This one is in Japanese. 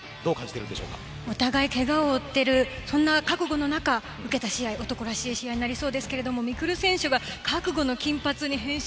お互い、けがを負っているそんな覚悟の中、受けた試合男らしい試合になりそうですが未来選手が覚悟の金髪に変身。